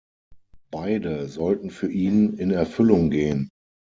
Beide sollten für ihn in Erfüllung gehen.